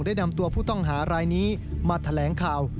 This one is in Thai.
ได้นำตัวผู้ต้องหารายนี้มาแถลงข่าว